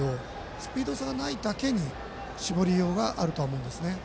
スピード差がないだけに絞りようがあるとは思うんです。